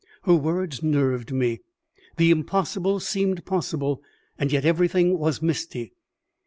Her words nerved me. The impossible seemed possible, and yet everything was misty.